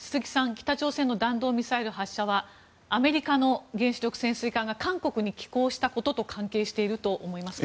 北朝鮮の弾道ミサイル発射はアメリカの原子力潜水艦が韓国に寄港したことと関係していると思いますか？